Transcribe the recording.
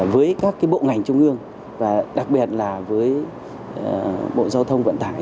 với các bộ ngành trung ương và đặc biệt là với bộ giao thông vận tải